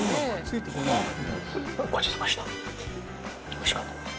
おいしかったです。